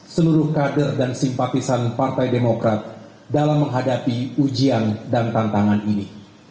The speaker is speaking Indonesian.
seluruh kader dan simpatisan partai demokrat dalam menghadapi ujian dan tantangan ini